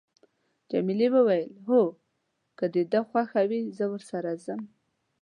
جميلې وويل: هو، که د ده خوښه وي، زه ورسره ځم.